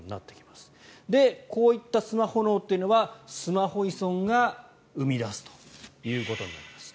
こういったスマホ脳というのはスマホ依存が生み出すということになります。